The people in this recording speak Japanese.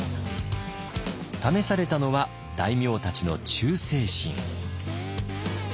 試されたのは大名たちの忠誠心。